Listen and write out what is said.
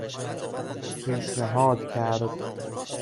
پیشنهاد کرد